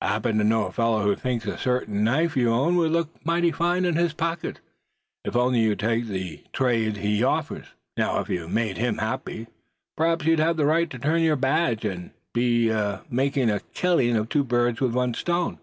"I happen to know a fellow who thinks a certain knife you own would look mighty fine in his pocket, if only you'd take the trade he offers. Now, if you made him happy, p'raps you'd have the right to turn your badge; and he c'd do ditto, making it a killing of two birds with one stone.